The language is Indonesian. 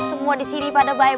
semua disini pada bye bye mpo siti